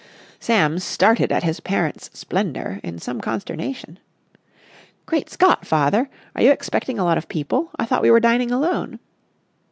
Sam started at his parent's splendour in some consternation. "Great Scot, father! Are you expecting a lot of people? I thought we were dining alone."